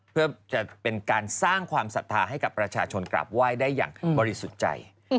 เพื่อจะเป็นการสร้างความศรัทธาให้กับประชาชนกราบไหว้ได้อย่างบริสุทธิ์ใจ